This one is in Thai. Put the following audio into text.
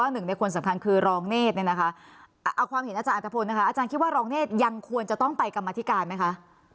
หรือรองเนธเอาความเห็นอาจารย์อันตภพอาจารย์คิดว่ารองเนธยังควรจะต้องไปกรรมธิการไหมคะ